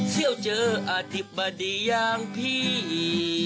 เที่ยวเจออธิบดีอย่างพี่